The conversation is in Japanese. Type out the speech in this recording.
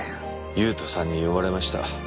優人さんに言われました。